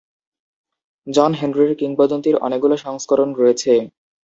জন হেনরির কিংবদন্তির অনেকগুলো সংস্করণ রয়েছে।